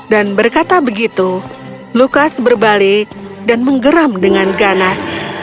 dan berkata begitu lukas berbalik dan menggeram dengan ganas